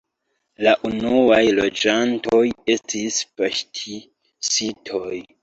La unuaj loĝantoj estis paŝtistoj.